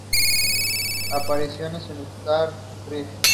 Apariciones en Star Trek